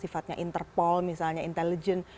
sifatnya interpol misalnya intelligence